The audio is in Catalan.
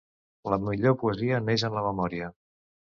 La millor poesia neix en la memòria.